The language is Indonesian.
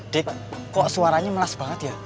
dek kok suaranya melas banget ya